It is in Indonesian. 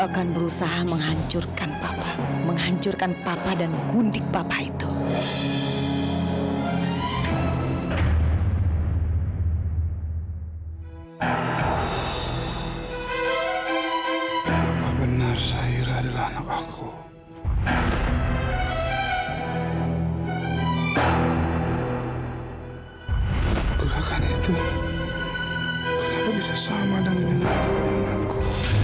gerakan itu kenapa bisa sama dengan pengamanku